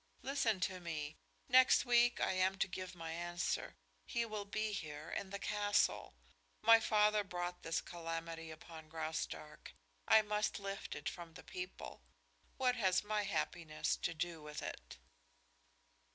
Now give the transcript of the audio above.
Listen to me. Next week I am to give my answer. He will be here, in this castle. My father brought this calamity upon Graustark; I must lift it from the people. What has my happiness to do with it?"